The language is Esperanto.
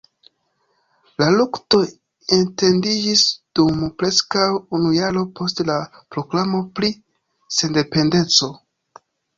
La luktoj etendiĝis dum preskaŭ unu jaro post la proklamo pri sendependeco.